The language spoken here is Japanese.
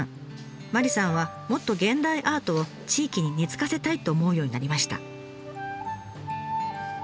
麻里さんはもっと現代アートを地域に根づかせたいと思うようになりました。